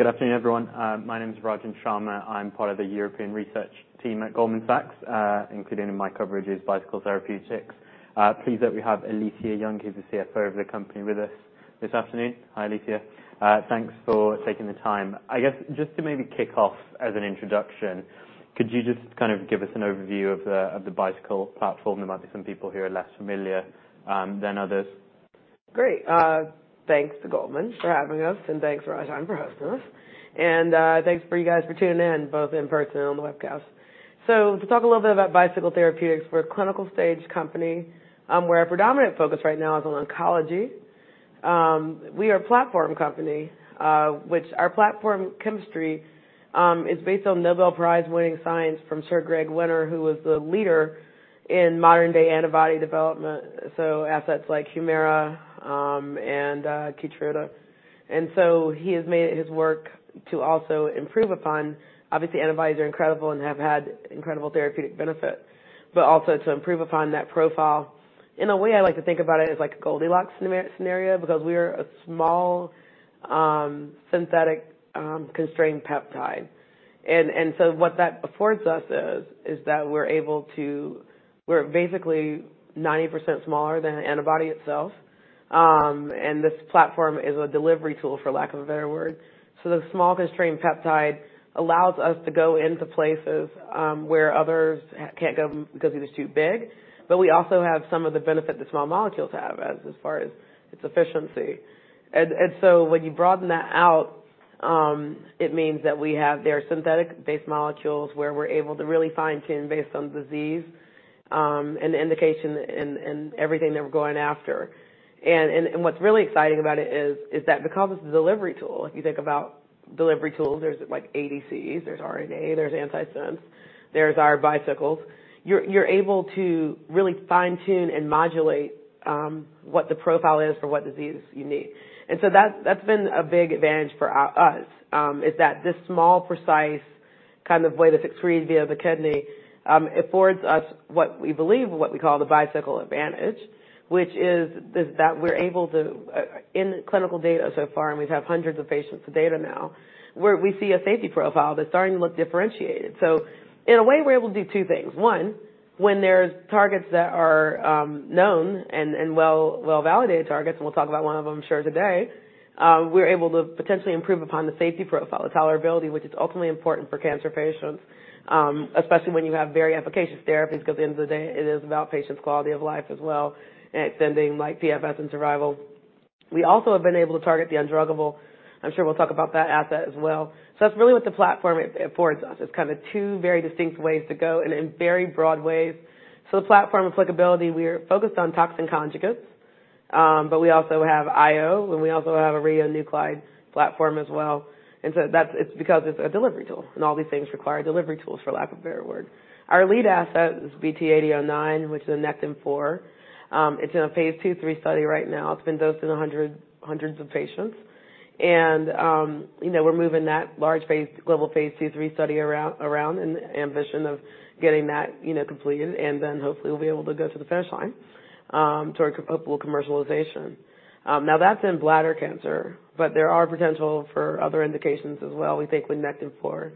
Good afternoon, everyone. My name's Rajan Sharma. I'm part of the European research team at Goldman Sachs, and my coverage is Bicycle Therapeutics. Pleased that we have Alethia Young, who's the CFO of the company, with us this afternoon. Hi, Alethia. Thanks for taking the time. I guess just to maybe kick off as an introduction, could you just kind of give us an overview of the Bicycle platform? There might be some people who are less familiar than others. Great. Thanks to Goldman for having us, and thanks to Rajan for hosting us. And thanks for you guys for tuning in, both in person and on the webcast. So to talk a little bit about Bicycle Therapeutics, we're a clinical stage company where our predominant focus right now is on oncology. We are a platform company, which our platform chemistry is based on Nobel Prize-winning science from Sir Greg Winter, who was the leader in modern-day antibody development, so assets like Humira and Keytruda. And so he has made it his work to also improve upon. Obviously, antibodies are incredible and have had incredible therapeutic benefit, but also to improve upon that profile. In a way, I like to think about it as like a Goldilocks scenario because we are a small synthetic constrained peptide. What that affords us is that we're able to, we're basically 90% smaller than an antibody itself. This platform is a delivery tool, for lack of a better word. The small constrained peptide allows us to go into places where others can't go because it is too big. But we also have some of the benefit that small molecules have as far as its efficiency. When you broaden that out, it means that we have their synthetic-based molecules where we're able to really fine-tune based on disease and indication and everything that we're going after. What's really exciting about it is that because it's a delivery tool, if you think about delivery tools, there's like ADCs, there's RNA, there's antisense, there's our Bicycles. You're able to really fine-tune and modulate what the profile is for what disease you need. And so that's been a big advantage for us, is that this small, precise kind of way that's excreted via the kidney, it affords us what we believe what we call the Bicycle Advantage, which is that we're able to, in clinical data so far, and we've had hundreds of patients with data now, where we see a safety profile that's starting to look differentiated. So in a way, we're able to do two things. One, when there's targets that are known and well-validated targets, and we'll talk about one of them, I'm sure, today, we're able to potentially improve upon the safety profile, the tolerability, which is ultimately important for cancer patients, especially when you have very efficacious therapies because at the end of the day, it is about patients' quality of life as well, and extending PFS and survival. We also have been able to target the undruggable. I'm sure we'll talk about that asset as well. So that's really what the platform affords us, is kind of two very distinct ways to go and in very broad ways. So the platform applicability, we are focused on toxin conjugates, but we also have IO, and we also have a radionuclide platform as well. And so it's because it's a delivery tool, and all these things require delivery tools, for lack of a better word. Our lead asset is BT8009, which is a Nectin-4. It's in a phase II/III study right now. It's been dosed in hundreds of patients. And we're moving that large global phase II/III study around in the ambition of getting that completed, and then hopefully we'll be able to go to the finish line toward hopeful commercialization. Now, that's in bladder cancer, but there are potential for other indications as well, we think with Nectin-4.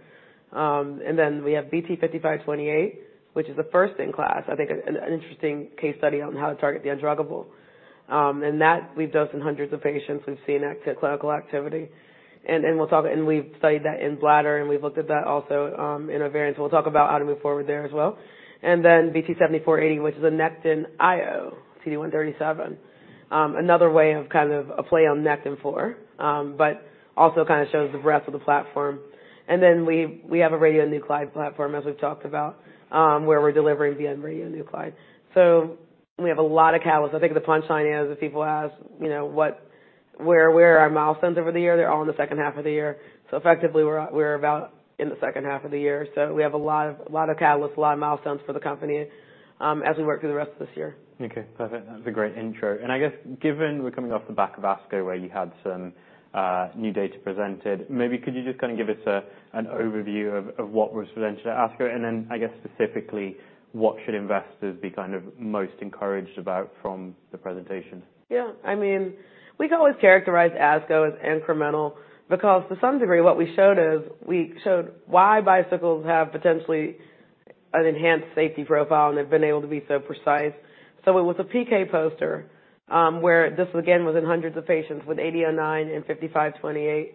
And then we have BT5528, which is the first in class, I think an interesting case study on how to target the undruggable. And that we've dosed in hundreds of patients. We've seen that clinical activity. And we'll talk—and we've studied that in bladder, and we've looked at that also in ovarian. So we'll talk about how to move forward there as well. And then BT7480, which is a Nectin IO, CD137, another way of kind of a play on Nectin-4, but also kind of shows the breadth of the platform. And then we have a radionuclide platform, as we've talked about, where we're delivering via radionuclide. So we have a lot of catalysts. I think the punchline is, if people ask, "Where are our milestones over the year?" They're all in the second half of the year. So effectively, we're about in the second half of the year. So we have a lot of catalysts, a lot of milestones for the company as we work through the rest of this year. Okay. Perfect. That's a great intro. And I guess given we're coming off the back of ASCO, where you had some new data presented, maybe could you just kind of give us an overview of what was presented at ASCO? And then I guess specifically, what should investors be kind of most encouraged about from the presentation? Yeah. I mean, we could always characterize ASCO as incremental because to some degree, what we showed is we showed why Bicycles have potentially an enhanced safety profile, and they've been able to be so precise. So it was a PK poster where this, again, was in hundreds of patients with 8009 and 5528.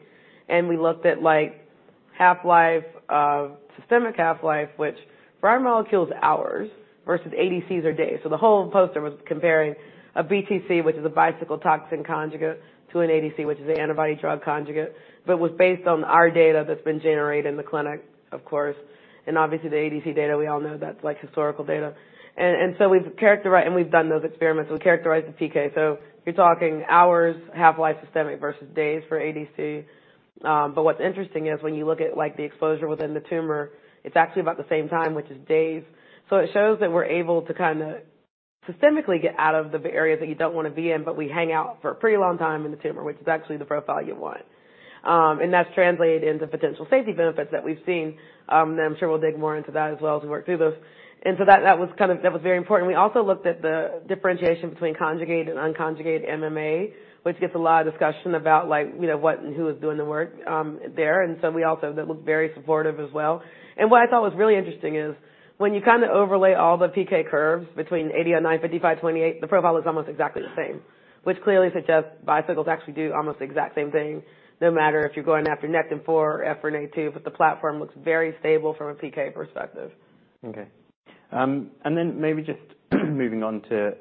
And we looked at like systemic half-life, which for our molecule is hours versus ADCs are days. So the whole poster was comparing a BTC, which is a Bicycle toxin conjugate, to an ADC, which is an antibody drug conjugate, but was based on our data that's been generated in the clinic, of course. And obviously, the ADC data, we all know that's like historical data. And so we've characterized, and we've done those experiments. We characterized the PK. So you're talking hours, half-life, systemic versus days for ADC. But what's interesting is when you look at the exposure within the tumor, it's actually about the same time, which is days. So it shows that we're able to kind of systemically get out of the areas that you don't want to be in, but we hang out for a pretty long time in the tumor, which is actually the profile you want. That's translated into potential safety benefits that we've seen. I'm sure we'll dig more into that as well as we work through this. So that was kind of—that was very important. We also looked at the differentiation between conjugate and unconjugated MMAE, which gets a lot of discussion about what and who is doing the work there. So we also looked very supportive as well. What I thought was really interesting is when you kind of overlay all the PK curves between 8009, 5528, the profile looks almost exactly the same, which clearly suggests Bicycles actually do almost the exact same thing, no matter if you're going after Nectin-4 or EphA2, but the platform looks very stable from a PK perspective. Okay. And then maybe just moving on to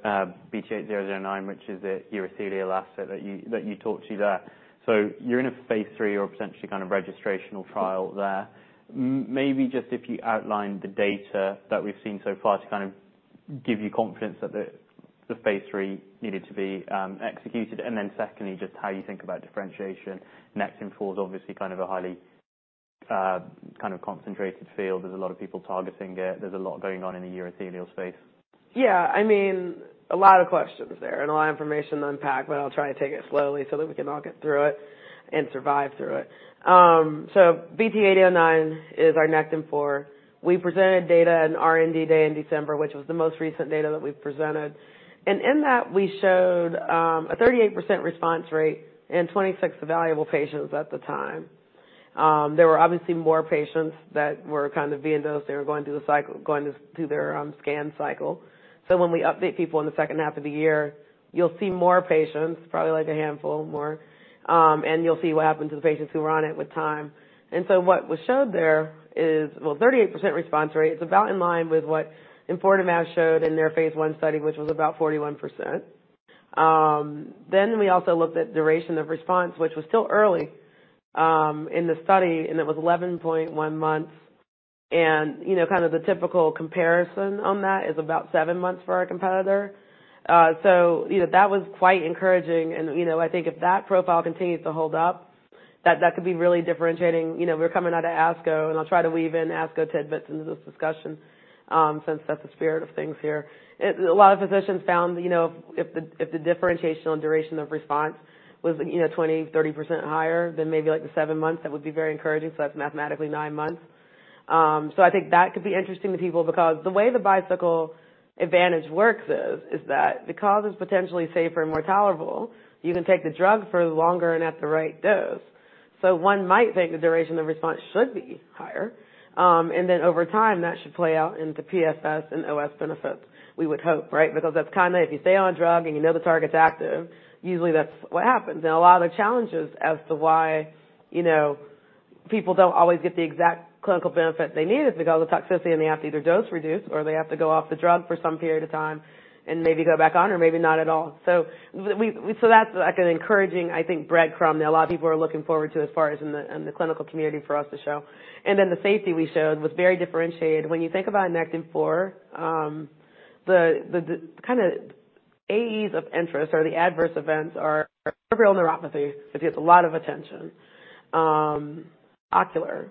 BT8009, which is the urothelial asset that you talked about there. So you're in a phase III or potentially kind of registrational trial there. Maybe just if you outline the data that we've seen so far to kind of give you confidence that the phase III needed to be executed. And then secondly, just how you think about differentiation. Nectin-4 is obviously kind of a highly kind of concentrated field. There's a lot of people targeting it. There's a lot going on in the urothelial space. Yeah. I mean, a lot of questions there and a lot of information unpacked, but I'll try to take it slowly so that we can all get through it and survive through it. So BT8009 is our Nectin-4. We presented data in R&D Day in December, which was the most recent data that we presented. And in that, we showed a 38% response rate and 26 evaluable patients at the time. There were obviously more patients that were kind of being dosed and were going through the cycle, going through their scan cycle. So when we update people in the second half of the year, you'll see more patients, probably like a handful more. And you'll see what happened to the patients who were on it with time. And so what was showed there is, well, 38% response rate. It's about in line with what enfortumab showed in their phase I study, which was about 41%. Then we also looked at duration of response, which was still early in the study, and it was 11.1 months. And kind of the typical comparison on that is about 7 months for our competitor. So that was quite encouraging. And I think if that profile continues to hold up, that could be really differentiating. We're coming out of ASCO, and I'll try to weave in ASCO tidbits into this discussion since that's the spirit of things here. A lot of physicians found if the differentiation on duration of response was 20%, 30% higher, then maybe like the 7 months, that would be very encouraging. So that's mathematically 9 months. So I think that could be interesting to people because the way the Bicycle Advantage works is that because it's potentially safer and more tolerable, you can take the drug for longer and at the right dose. So one might think the duration of response should be higher. And then over time, that should play out into PFS and OS benefits, we would hope, right? Because that's kind of if you stay on a drug and you know the target's active, usually that's what happens. And a lot of the challenges as to why people don't always get the exact clinical benefit they need is because of toxicity, and they have to either dose-reduce or they have to go off the drug for some period of time and maybe go back on or maybe not at all. So that's an encouraging, I think, breadcrumb that a lot of people are looking forward to as far as in the clinical community for us to show. And then the safety we showed was very differentiated. When you think about Nectin-4, the kind of AEs of interest or the adverse events are peripheral neuropathy, which gets a lot of attention, ocular,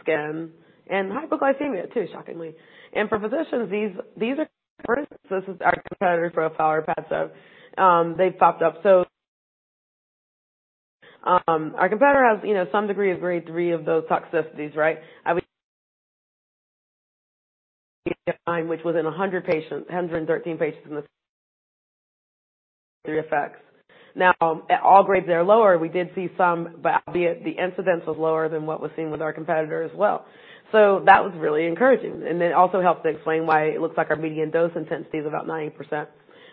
skin, and hyperglycemia too, shockingly. And for physicians, these are different. This is our competitor profile, our Padcev. They've popped up. So our competitor has some degree of grade 3 of those toxicities, right? We had none which was in 113 patients in those effects. Now, at all grades that are lower, we did see some, but albeit the incidence was lower than what was seen with our competitor as well. So that was really encouraging. It also helps to explain why it looks like our median dose intensity is about 90%,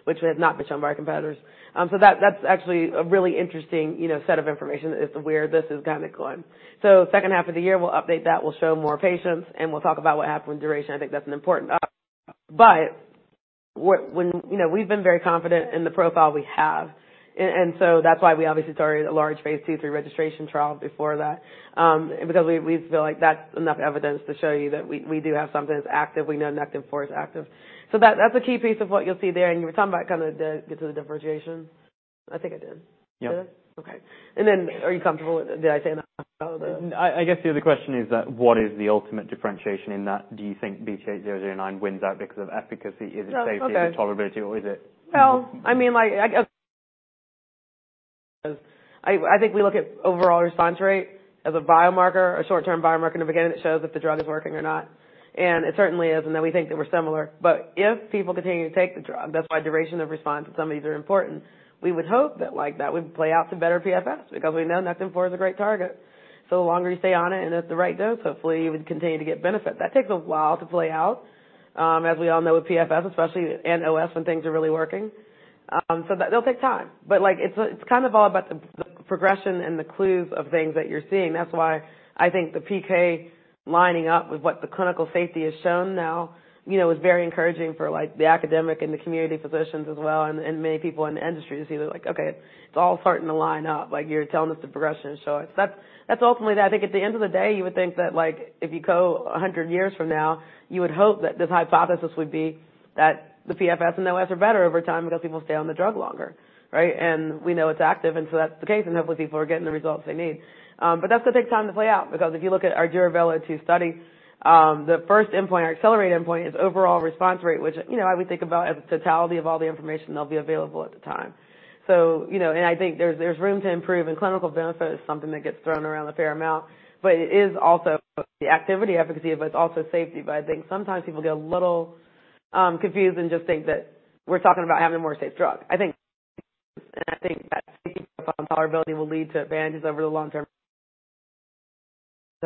which we have not been shown by our competitors. So that's actually a really interesting set of information as to where this is kind of going. So second half of the year, we'll update that. We'll show more patients, and we'll talk about what happened with duration. I think that's an important up. But we've been very confident in the profile we have. And so that's why we obviously started a large phase II/III registration trial before that because we feel like that's enough evidence to show you that we do have something that's active. We know Nectin-4 is active. So that's a key piece of what you'll see there. And you were talking about kind of the differentiation. I think I did. Did I? Okay. And then are you comfortable with did I say enough about the? I guess the other question is that what is the ultimate differentiation in that? Do you think BT8009 wins out because of efficacy, is it safety, is it tolerability, or is it? Well, I mean, I think we look at overall response rate as a biomarker, a short-term biomarker. And again, it shows if the drug is working or not. And it certainly is. And then we think that we're similar. But if people continue to take the drug, that's why duration of response and some of these are important. We would hope that that would play out to better PFS because we know Nectin-4 is a great target. So the longer you stay on it and at the right dose, hopefully you would continue to get benefit. That takes a while to play out, as we all know with PFS, especially and OS when things are really working. So that'll take time. But it's kind of all about the progression and the clues of things that you're seeing. That's why I think the PK lining up with what the clinical safety has shown now is very encouraging for the academic and the community physicians as well and many people in the industry to see that like, "Okay, it's all starting to line up. You're telling us the progression is showing." So that's ultimately that. I think at the end of the day, you would think that if you go 100 years from now, you would hope that this hypothesis would be that the PFS and OS are better over time because people stay on the drug longer, right? And we know it's active, and so that's the case. And hopefully, people are getting the results they need. But that's going to take time to play out because if you look at our Duravelo-2 study, the first endpoint, our accelerated endpoint, is overall response rate, which I would think about as the totality of all the information that'll be available at the time. So I think there's room to improve, and clinical benefit is something that gets thrown around a fair amount. But it is also the activity, efficacy, but it's also safety. But I think sometimes people get a little confused and just think that we're talking about having a more safe drug. I think. And I think that safety profile and tolerability will lead to advantages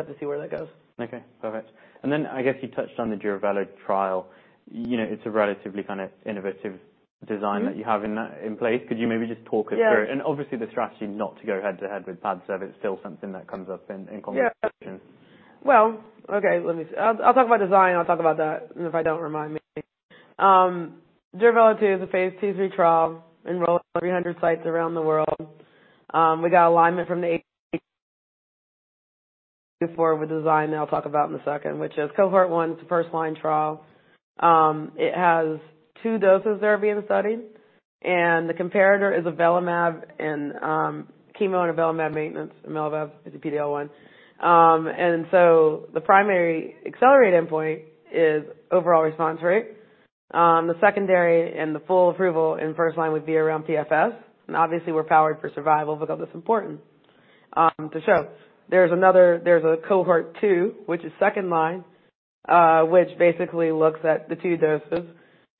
over the long term. We'll have to see where that goes. Okay. Perfect. And then I guess you touched on the Duravelo trial. It's a relatively kind of innovative design that you have in place. Could you maybe just talk us through it? And obviously, the strategy not to go head to head with Padcev, it's still something that comes up in conversations. Yeah. Well, okay. I'll talk about design. I'll talk about that if I don't remind me. Duravelo-2 is a phase II/III trial enrolling 300 sites around the world. We got alignment from the FDA before with the design that I'll talk about in a second, which is cohort one. It's a first-line trial. It has two doses that are being studied. And the comparator is avelumab and chemo and avelumab maintenance, avelumab, PD-L1. And so the primary accelerated endpoint is overall response rate. The secondary and the full approval in first line would be around PFS. And obviously, we're powered for survival because it's important to show. There's a cohort two, which is second line, which basically looks at the two doses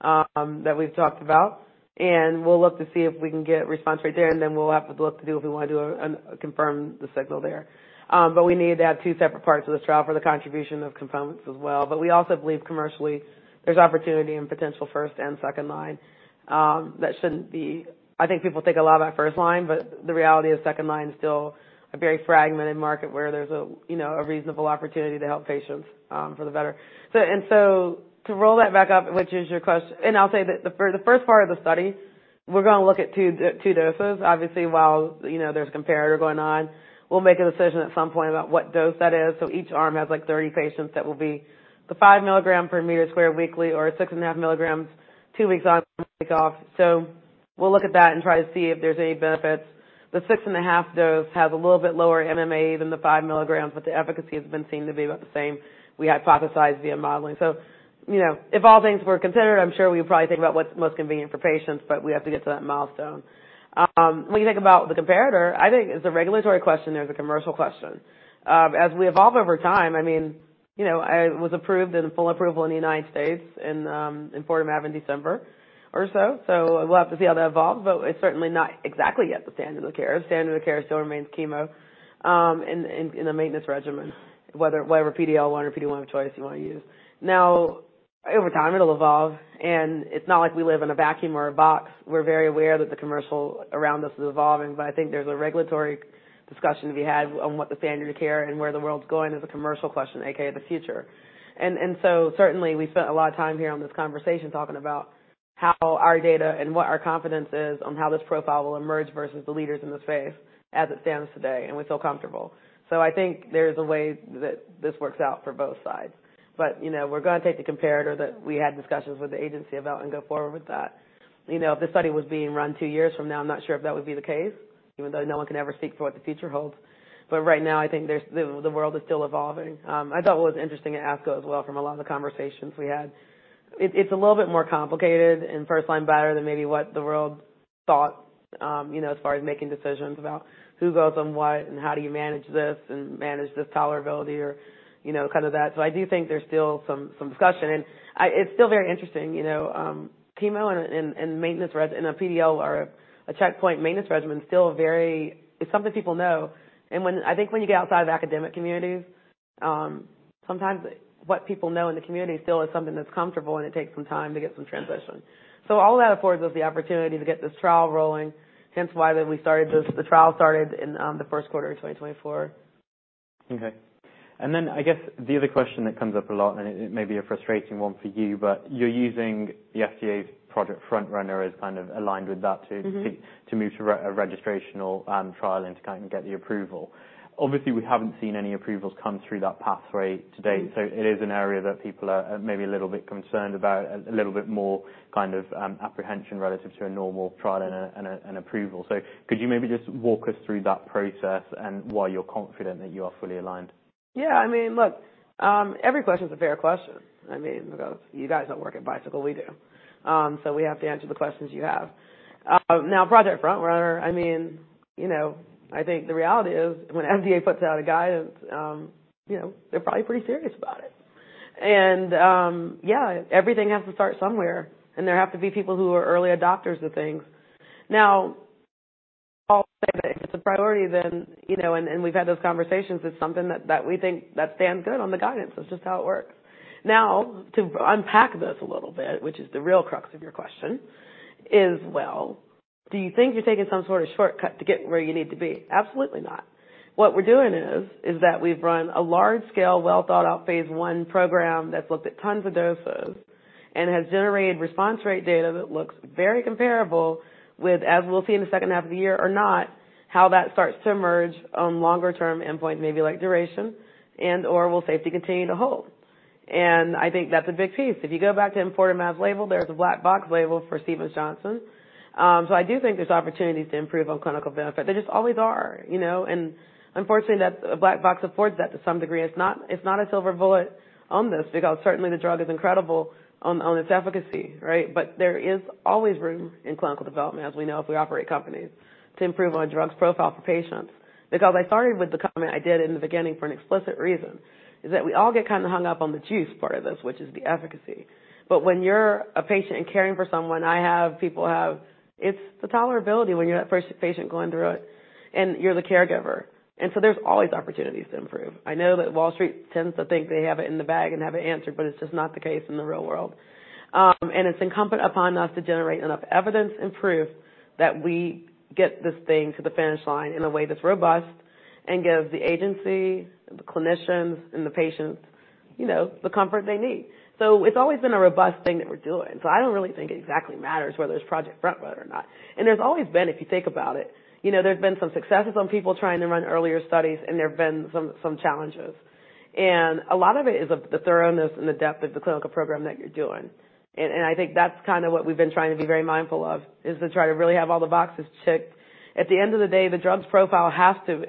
that we've talked about. And we'll look to see if we can get response rate there. Then we'll have to look to do if we want to confirm the signal there. But we need to have two separate parts of this trial for the contribution of components as well. But we also believe commercially there's opportunity and potential first and second line that shouldn't be. I think people think a lot about first line, but the reality is second line is still a very fragmented market where there's a reasonable opportunity to help patients for the better. So to roll that back up, which is your question, and I'll say that for the first part of the study, we're going to look at two doses. Obviously, while there's a comparator going on, we'll make a decision at some point about what dose that is. So each arm has like 30 patients that will be the 5 milligrams per square meter weekly or 6.5 milligrams two weeks on, one week off. So we'll look at that and try to see if there's any benefits. The 6.5 dose has a little bit lower MMA than the 5 milligrams, but the efficacy has been seen to be about the same we hypothesized via modeling. So if all things were considered, I'm sure we would probably think about what's most convenient for patients, but we have to get to that milestone. When you think about the comparator, I think it's a regulatory question. There's a commercial question. As we evolve over time, I mean, it was approved and full approval in the United States and in Europe in December or so. So we'll have to see how that evolves. But it's certainly not exactly yet the standard of care. The standard of care still remains chemo in the maintenance regimen, whether PD-L1 or PD-1 of choice you want to use. Now, over time, it'll evolve. It's not like we live in a vacuum or a box. We're very aware that the commercial around us is evolving. But I think there's a regulatory discussion to be had on what the standard of care and where the world's going is a commercial question, a.k.a. the future. So certainly, we spent a lot of time here on this conversation talking about how our data and what our confidence is on how this profile will emerge versus the leaders in the space as it stands today. We feel comfortable. So I think there is a way that this works out for both sides. But we're going to take the comparator that we had discussions with the agency about and go forward with that. If this study was being run two years from now, I'm not sure if that would be the case, even though no one can ever speak for what the future holds. But right now, I think the world is still evolving. I thought what was interesting at ASCO as well from a lot of the conversations we had; it's a little bit more complicated in first line better than maybe what the world thought as far as making decisions about who goes on what and how do you manage this and manage this tolerability or kind of that. So I do think there's still some discussion. And it's still very interesting. Chemo and maintenance and a PD-L or a checkpoint maintenance regimen is still very. It's something people know. I think when you get outside of academic communities, sometimes what people know in the community still is something that's comfortable, and it takes some time to get some transition. All that affords us the opportunity to get this trial rolling, hence why we started this. The trial started in the first quarter of 2024. Okay. And then I guess the other question that comes up a lot, and it may be a frustrating one for you, but you're using the FDA's Project FrontRunner as kind of aligned with that too to move to a registrational trial and to kind of get the approval. Obviously, we haven't seen any approvals come through that pathway to date. So it is an area that people are maybe a little bit concerned about, a little bit more kind of apprehension relative to a normal trial and approval. So could you maybe just walk us through that process and why you're confident that you are fully aligned? Yeah. I mean, look, every question is a fair question. I mean, because you guys don't work at Bicycle. We do. So we have to answer the questions you have. Now, Project FrontRunner, I mean, I think the reality is when the FDA puts out a guidance, they're probably pretty serious about it. And yeah, everything has to start somewhere. And there have to be people who are early adopters of things. Now, if it's a priority, then and we've had those conversations, it's something that we think that stands good on the guidance. It's just how it works. Now, to unpack this a little bit, which is the real crux of your question is, well, do you think you're taking some sort of shortcut to get where you need to be? Absolutely not. What we're doing is that we've run a large-scale, well-thought-out phase I program that's looked at tons of doses and has generated response rate data that looks very comparable with, as we'll see in the second half of the year or not, how that starts to emerge on longer-term endpoints, maybe like duration and/or will safety continue to hold. I think that's a big piece. If you go back to Padcev label, there's a black box label for Stevens-Johnson. I do think there's opportunities to improve on clinical benefit. There just always are. Unfortunately, a black box affords that to some degree. It's not a silver bullet on this because certainly the drug is incredible on its efficacy, right? There is always room in clinical development, as we know if we operate companies, to improve on a drug's profile for patients. Because I started with the comment I did in the beginning for an explicit reason is that we all get kind of hung up on the juice part of this, which is the efficacy. But when you're a patient and caring for someone, it's the tolerability when you're that first patient going through it, and you're the caregiver. And so there's always opportunities to improve. I know that Wall Street tends to think they have it in the bag and have it answered, but it's just not the case in the real world. And it's incumbent upon us to generate enough evidence and proof that we get this thing to the finish line in a way that's robust and gives the agency, the clinicians, and the patients the comfort they need. So it's always been a robust thing that we're doing. So I don't really think it exactly matters whether it's Project FrontRunner or not. And there's always been, if you think about it, there's been some successes on people trying to run earlier studies, and there've been some challenges. And a lot of it is the thoroughness and the depth of the clinical program that you're doing. And I think that's kind of what we've been trying to be very mindful of is to try to really have all the boxes checked. At the end of the day, the drug's profile has to,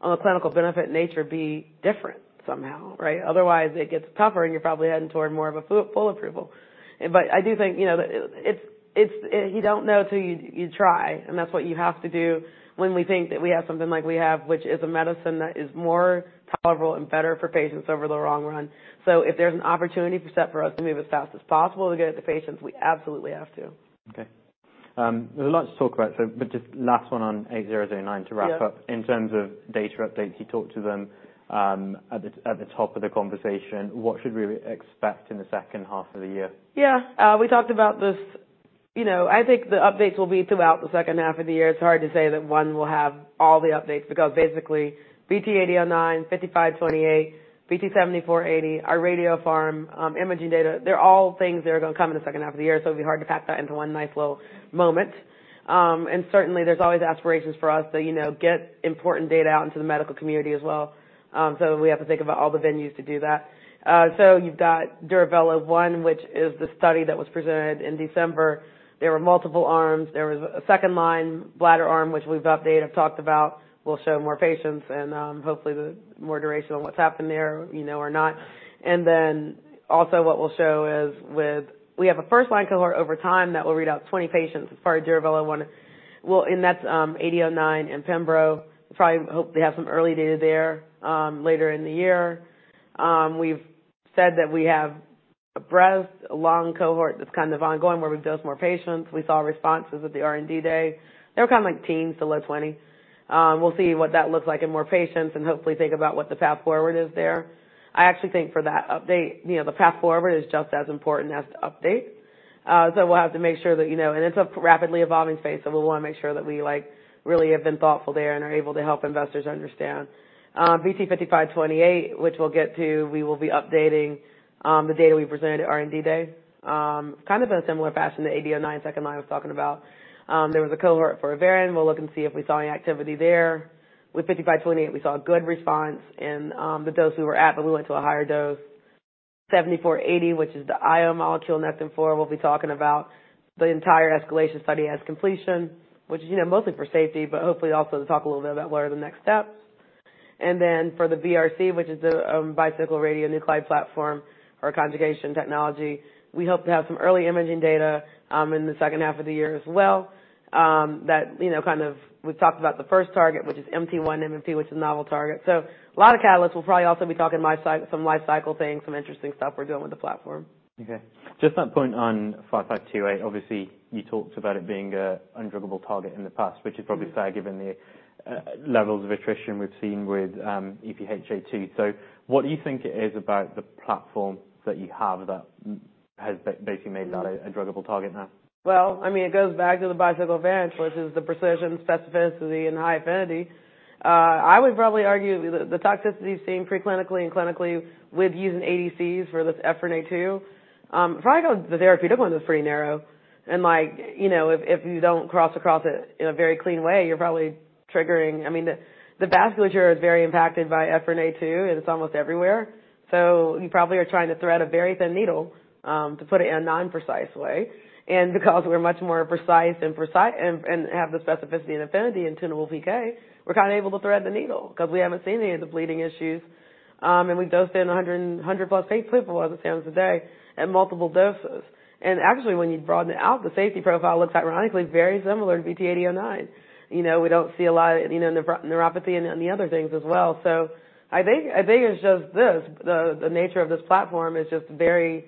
on a clinical benefit nature, be different somehow, right? Otherwise, it gets tougher, and you're probably heading toward more of a full approval. But I do think you don't know until you try. That's what you have to do when we think that we have something like we have, which is a medicine that is more tolerable and better for patients over the long run. So if there's an opportunity set for us to move as fast as possible to get it to patients, we absolutely have to. Okay. There's a lot to talk about. So just last one on 8009 to wrap up. In terms of data updates, you talked to them at the top of the conversation. What should we expect in the second half of the year? Yeah. We talked about this. I think the updates will be throughout the second half of the year. It's hard to say that one will have all the updates because basically BT8009, 5528, BT7480, our radiopharm imaging data, they're all things that are going to come in the second half of the year. So it'll be hard to pack that into one nice little moment. And certainly, there's always aspirations for us to get important data out into the medical community as well. So we have to think about all the venues to do that. So you've got Duravelo-1, which is the study that was presented in December. There were multiple arms. There was a second line bladder arm, which we've updated, talked about. We'll show more patients and hopefully more duration on what's happened there or not. And then also what we'll show is we have a first-line cohort over time that will read out 20 patients as far as Duravelo-1. Well, and that's BT8009 and Pembro. We probably hope they have some early data there later in the year. We've said that we have a breast, a lung cohort that's kind of ongoing where we've dosed more patients. We saw responses at the R&D Day. They were kind of like teens to low 20. We'll see what that looks like in more patients and hopefully think about what the path forward is there. I actually think for that update, the path forward is just as important as to update. So we'll have to make sure that and it's a rapidly evolving space. So we want to make sure that we really have been thoughtful there and are able to help investors understand. BT5528, which we'll get to, we will be updating the data we presented at R&D Day. Kind of in a similar fashion to 8009, second line I was talking about. There was a cohort for ovarian. We'll look and see if we saw any activity there. With 5528, we saw a good response in the dose we were at, but we went to a higher dose. 7480, which is the IO molecule next in Nectin-4, we'll be talking about the entire escalation study upon completion, which is mostly for safety, but hopefully also to talk a little bit about what are the next steps. And then for the BRC, which is the Bicycle Radionuclide Platform or conjugation technology, we hope to have some early imaging data in the second half of the year as well. That kind of we've talked about the first target, which is MT1-MMP, which is a novel target. So a lot of catalysts. We'll probably also be talking some life cycle things, some interesting stuff we're doing with the platform. Okay. Just that point on 5528, obviously you talked about it being an undruggable target in the past, which is probably fair given the levels of attrition we've seen with EphA2. So what do you think it is about the platform that you have that has basically made that a druggable target now? Well, I mean, it goes back to the Bicycle Advantage, which is the precision, specificity, and high affinity. I would probably argue the toxicity seen preclinically and clinically with using ADCs for this EphA2. Probably because the therapeutic window is pretty narrow. And if you don't cross across it in a very clean way, you're probably triggering. I mean, the vasculature is very impacted by EphA2, and it's almost everywhere. So you probably are trying to thread a very thin needle to put it in a non-precise way. And because we're much more precise and have the specificity and affinity in tunable PK, we're kind of able to thread the needle because we haven't seen any of the bleeding issues. And we've dosed in 100+ people as it stands today at multiple doses. And actually, when you broaden it out, the safety profile looks ironically very similar to BT8009. We don't see a lot of neuropathy and the other things as well. So I think it's just this. The nature of this platform is just delivery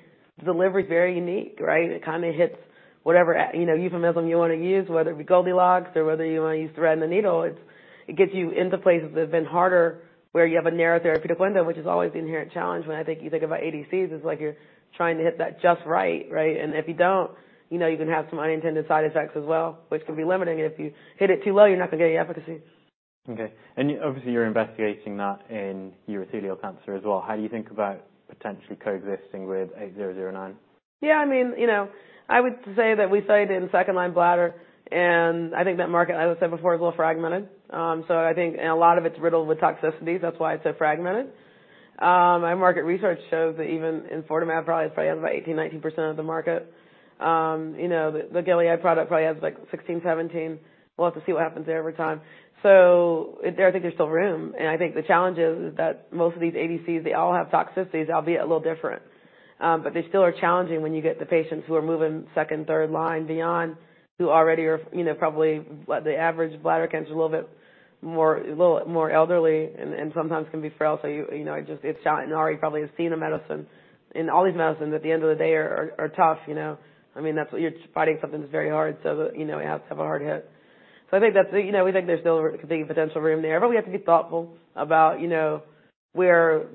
is very unique, right? It kind of hits whatever euphemism you want to use, whether it be Goldilocks or whether you want to use thread in the needle. It gets you into places that have been harder where you have a narrow therapeutic window, which is always the inherent challenge. When I think you think about ADCs, it's like you're trying to hit that just right, right? And if you don't, you can have some unintended side effects as well, which can be limiting. And if you hit it too low, you're not going to get any efficacy. Okay. Obviously, you're investigating that in urothelial cancer as well. How do you think about potentially coexisting with 8009? Yeah. I mean, I would say that we cited in second-line bladder. And I think that market, as I said before, is a little fragmented. So I think a lot of it's riddled with toxicity. That's why it's so fragmented. Our market research shows that even in Padcev, it probably has about 18%-19% of the market. The Gilead product probably has like 16%-17%. We'll have to see what happens there over time. So I think there's still room. And I think the challenge is that most of these ADCs, they all have toxicities, albeit a little different. But they still are challenging when you get the patients who are moving second-, third-line beyond who already are probably the average bladder cancer is a little bit more elderly and sometimes can be frail. So it's shot and already probably has seen a medicine. All these medicines at the end of the day are tough. I mean, you're fighting something that's very hard. So it has to have a hard hit. So I think that's we think there's still a big potential room there. But we have to be thoughtful about where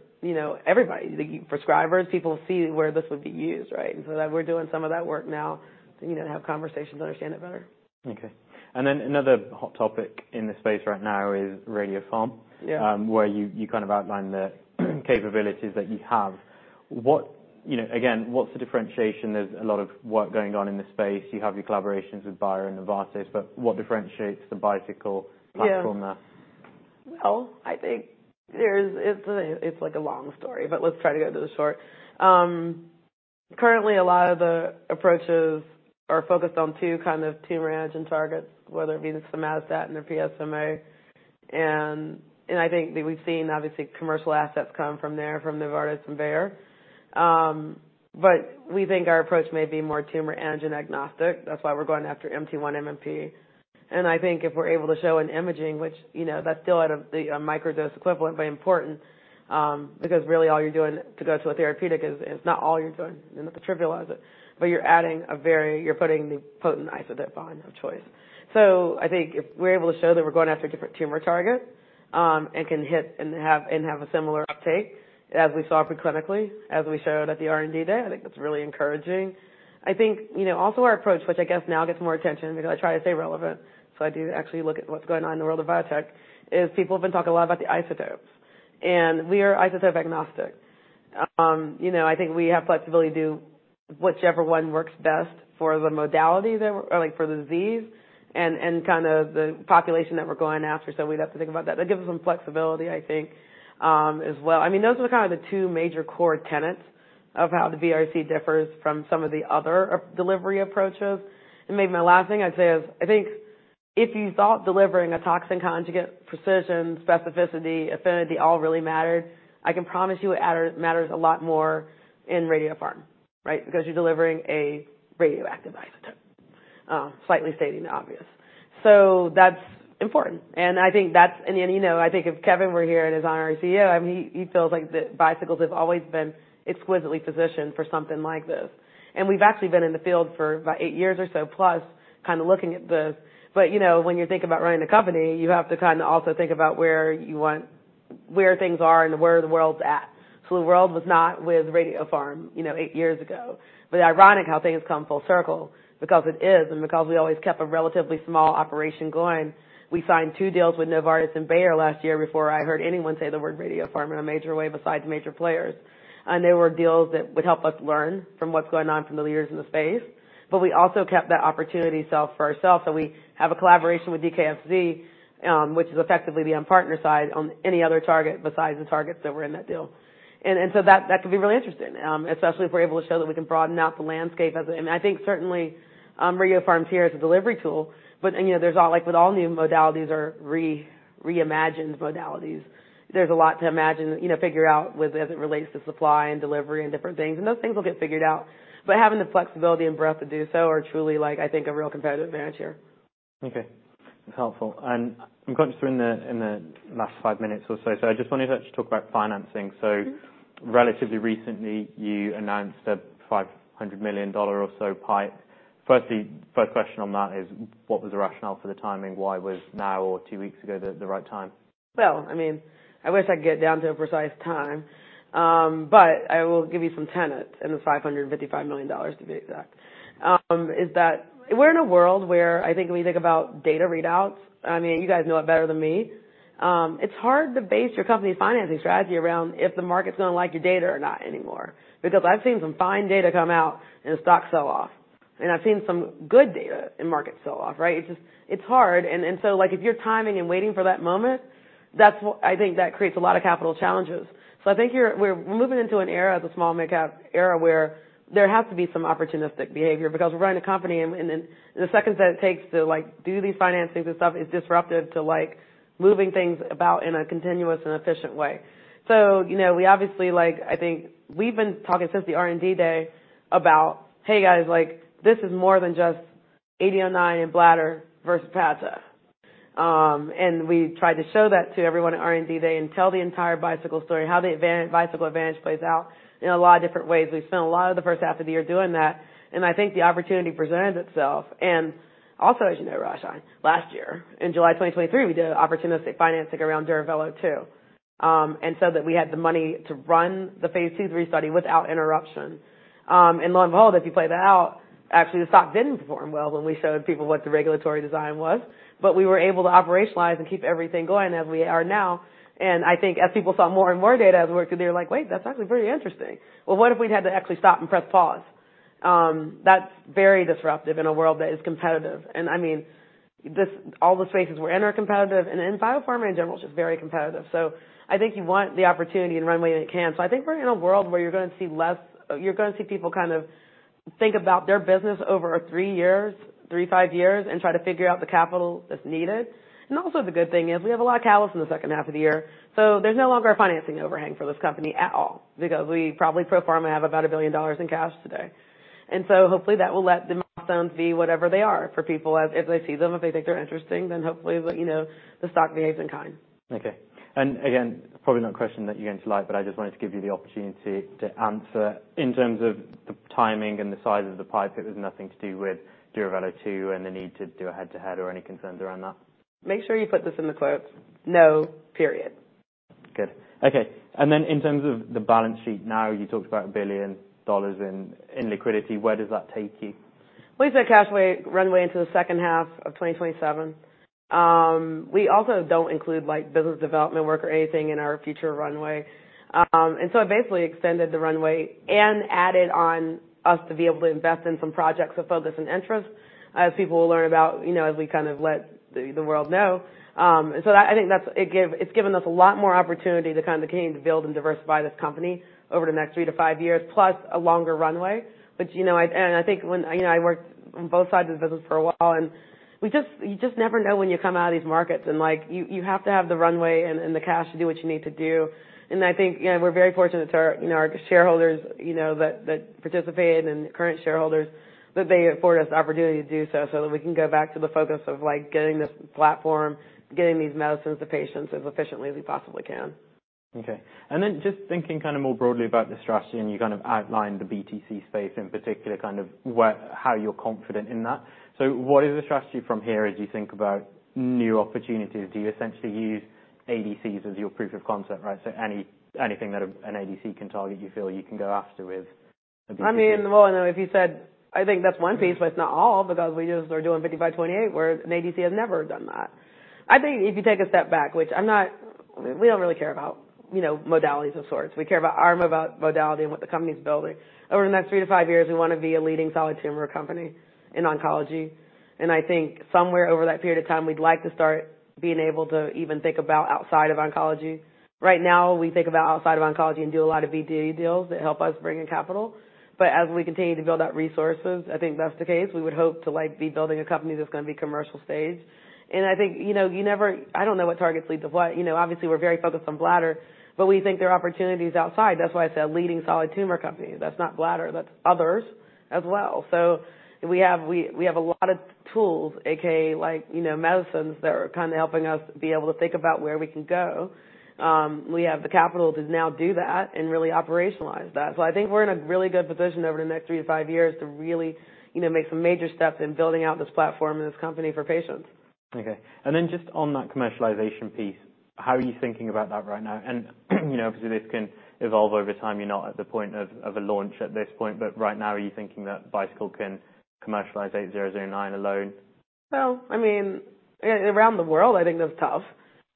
everybody, prescribers, people see where this would be used, right? And so that we're doing some of that work now to have conversations to understand it better. Okay. And then another hot topic in the space right now is radiopharm where you kind of outlined the capabilities that you have. Again, what's the differentiation? There's a lot of work going on in the space. You have your collaborations with Bayer and Novartis. But what differentiates the Bicycle platform now? Well, I think it's like a long story, but let's try to go to the short. Currently, a lot of the approaches are focused on two kind of tumor antigen targets, whether it be the somatostatin and the PSMA. And I think that we've seen, obviously, commercial assets come from there, from Novartis and Bayer. But we think our approach may be more tumor antigen agnostic. That's why we're going after MT1-MMP. And I think if we're able to show in imaging, which that's still at a micro-dose equivalent, but important because really all you're doing to go to a therapeutic is not all you're doing in the trivialize it. But you're adding a very you're putting the potent isotope on of choice. So I think if we're able to show that we're going after a different tumor target and can hit and have a similar uptake as we saw preclinically, as we showed at the R&D Day, I think that's really encouraging. I think also our approach, which I guess now gets more attention because I try to stay relevant. So I do actually look at what's going on in the world of biotech. People have been talking a lot about the isotopes. And we are isotope agnostic. I think we have flexibility to do whichever one works best for the modality or for the disease and kind of the population that we're going after. So we'd have to think about that. That gives us some flexibility, I think, as well. I mean, those are kind of the two major core tenets of how the BRC differs from some of the other delivery approaches. And maybe my last thing I'd say is I think if you thought delivering a toxin conjugate, precision, specificity, affinity all really mattered, I can promise you it matters a lot more in radiopharm, right? Because you're delivering a radioactive isotope, slightly stating the obvious. So that's important. And if Kevin were here and is honorary CEO, I mean, he feels like the Bicycles have always been exquisitely positioned for something like this. And we've actually been in the field for about 8 years or so plus kind of looking at this. But when you're thinking about running a company, you have to kind of also think about where you want where things are and where the world's at. So the world was not with radiopharm 8 years ago. But ironic how things come full circle because it is and because we always kept a relatively small operation going. We signed 2 deals with Novartis and Bayer last year before I heard anyone say the word radiopharm in a major way besides major players. And they were deals that would help us learn from what's going on from the leaders in the space. But we also kept that opportunity to ourselves. So we have a collaboration with DKFZ, which is effectively the partner side on any other target besides the targets that were in that deal. And so that could be really interesting, especially if we're able to show that we can broaden out the landscape as it is. And I think certainly radiopharms are here as a delivery tool. But there's all like with all new modalities or reimagined modalities, there's a lot to imagine, figure out as it relates to supply and delivery and different things. And those things will get figured out. But having the flexibility and breadth to do so are truly, I think, a real competitive advantage here. Okay. That's helpful. I'm conscious we're in the last 5 minutes or so. I just wanted to actually talk about financing. Relatively recently, you announced a $500 million or so PIPE. First question on that is what was the rationale for the timing? Why was now or 2 weeks ago the right time? Well, I mean, I wish I could get down to a precise time. But I will give you some tenets in the $555 million, to be exact. We're in a world where I think when you think about data readouts, I mean, you guys know it better than me. It's hard to base your company's financing strategy around if the market's going to like your data or not anymore. Because I've seen some fine data come out and the stock sell off. And I've seen some good data and markets sell off, right? It's hard. And so if you're timing and waiting for that moment, I think that creates a lot of capital challenges. So I think we're moving into an era as a small mid-cap era where there has to be some opportunistic behavior because we're running a company. The seconds that it takes to do these financings and stuff is disruptive to moving things about in a continuous and efficient way. So we obviously, I think we've been talking since the R&D Day about, "Hey guys, this is more than just 8009 and bladder versus Padcev." We tried to show that to everyone at R&D Day and tell the entire Bicycle story, how the Bicycle Advantage plays out in a lot of different ways. We spent a lot of the first half of the year doing that. I think the opportunity presented itself. Also, as you know, Rajan, last year in July 2023, we did an opportunistic financing around Duravelo-2 and said that we had the money to run the phase II, III study without interruption. Lo and behold, if you play that out, actually the stock didn't perform well when we showed people what the regulatory design was. But we were able to operationalize and keep everything going as we are now. I think as people saw more and more data as we worked through, they were like, "Wait, that's actually pretty interesting." Well, what if we'd had to actually stop and press pause? That's very disruptive in a world that is competitive. I mean, all the spaces we're in are competitive. Biopharma in general is just very competitive. So I think you want the opportunity and runway that you can. So I think we're in a world where you're going to see less. You're going to see people kind of think about their business over three years, three, five years, and try to figure out the capital that's needed. Also, the good thing is we have a lot of catalysts in the second half of the year. So there's no longer a financing overhang for this company at all because we probably pro forma have about $1 billion in cash today. So hopefully that will let the milestones be whatever they are for people. If they see them, if they think they're interesting, then hopefully the stock behaves in kind. Okay. And again, probably not a question that you're going to like, but I just wanted to give you the opportunity to answer in terms of the timing and the size of the PIPE. It was nothing to do with Duravelo-2 and the need to do a head-to-head or any concerns around that? Make sure you put this in the quotes. No period. Good. Okay. Then in terms of the balance sheet now, you talked about $1 billion in liquidity. Where does that take you? We set cash runway into the second half of 2027. We also don't include business development work or anything in our future runway. So I basically extended the runway and added on us to be able to invest in some projects of focus and interest as people will learn about as we kind of let the world know. So I think it's given us a lot more opportunity to kind of continue to build and diversify this company over the next three to five years plus a longer runway. I think when I worked on both sides of the business for a while, and you just never know when you come out of these markets. You have to have the runway and the cash to do what you need to do. I think we're very fortunate to our shareholders that participate and current shareholders that they afford us the opportunity to do so so that we can go back to the focus of getting this platform, getting these medicines to patients as efficiently as we possibly can. Okay. And then just thinking kind of more broadly about the strategy and you kind of outlined the BTC space in particular, kind of how you're confident in that. So what is the strategy from here as you think about new opportunities? Do you essentially use ADCs as your proof of concept, right? So anything that an ADC can target you feel you can go after with a BTC? I mean, well, if you said, "I think that's one piece, but it's not all because we just are doing 5528," where an ADC has never done that. I think if you take a step back, which we don't really care about modalities of sorts. We care about ARMA about modality and what the company's building. Over the next 3-5 years, we want to be a leading solid tumor company in oncology. And I think somewhere over that period of time, we'd like to start being able to even think about outside of oncology. Right now, we think about outside of oncology and do a lot of BD deals that help us bring in capital. But as we continue to build out resources, I think that's the case. We would hope to be building a company that's going to be commercial staged. I think I don't know what targets lead to what. Obviously, we're very focused on bladder, but we think there are opportunities outside. That's why I said leading solid tumor company. That's not bladder. That's others as well. So we have a lot of tools, a.k.a. medicines that are kind of helping us be able to think about where we can go. We have the capital to now do that and really operationalize that. So I think we're in a really good position over the next 3-5 years to really make some major steps in building out this platform and this company for patients. Okay. Then just on that commercialization piece, how are you thinking about that right now? Obviously, this can evolve over time. You're not at the point of a launch at this point. Right now, are you thinking that Bicycle can commercialize 8009 alone? Well, I mean, around the world, I think that's tough.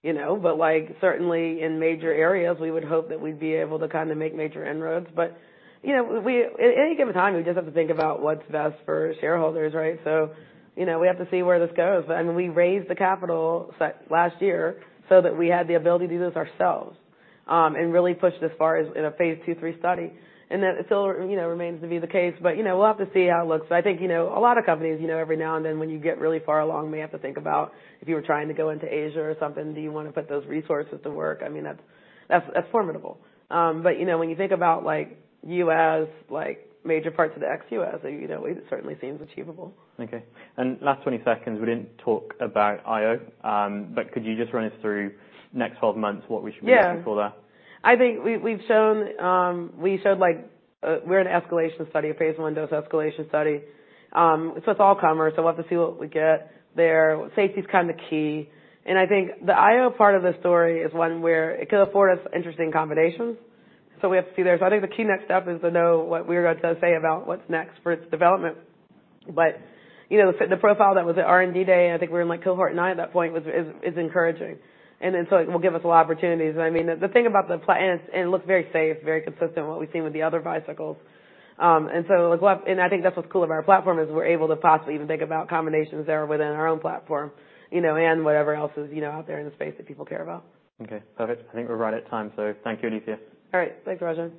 But certainly in major areas, we would hope that we'd be able to kind of make major inroads. But at any given time, we just have to think about what's best for shareholders, right? So we have to see where this goes. And we raised the capital last year so that we had the ability to do this ourselves and really pushed as far as in a phase 2/3 study. And that still remains to be the case. But we'll have to see how it looks. But I think a lot of companies, every now and then, when you get really far along, may have to think about if you were trying to go into Asia or something, do you want to put those resources to work? I mean, that's formidable. When you think about U.S., major parts of the ex-US, it certainly seems achievable. Okay. Last 20 seconds, we didn't talk about IO. Could you just run us through next 12 months, what we should be looking for there? Yeah. I think we've shown we're in an escalation study, a phase I dose escalation study. So it's all-comers. So we'll have to see what we get there. Safety is kind of key. And I think the IO part of the story is one where it could afford us interesting combinations. So we have to see there. So I think the key next step is to know what we're going to say about what's next for its development. But the profile that was at R&D Day, I think we were in cohort nine at that point, is encouraging. And so it will give us a lot of opportunities. And I mean, the thing about the plan, and it looks very safe, very consistent with what we've seen with the other Bicycles. I think that's what's cool about our platform is we're able to possibly even think about combinations there within our own platform and whatever else is out there in the space that people care about. Okay. Perfect. I think we're right at time. So thank you, Alethia. All right. Thanks, Rajan.